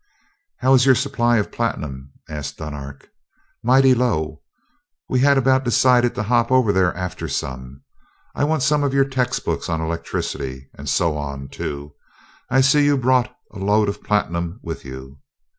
"How is your supply of platinum?" asked Dunark. "Mighty low. We had about decided to hop over there after some. I want some of your textbooks on electricity and so on, too. I see you brought a load of platinum with you."